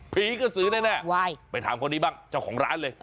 ผีกระสือแน่ไปถามคนนี้บ้างเจ้าของร้านเลย